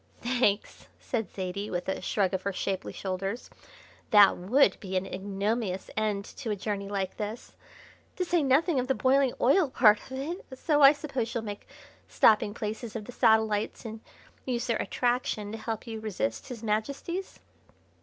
"Thanks!" said Zaidie, with a shrug of her shapely shoulders. "That would be an ignominious end to a journey like this, to say nothing of the boiling oil part of it; so I suppose you'll make stopping places of the satellites and use their attraction to help you to resist His Majesty's."